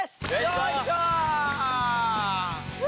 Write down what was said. よいしょ！